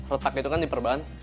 retak itu kan di perban